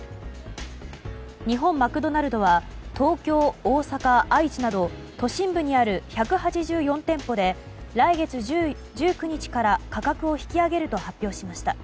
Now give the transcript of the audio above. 日本マクドナルドは東京、大阪、愛知など都心部にある１８４店舗で来月１９日から価格を引き上げると発表しました。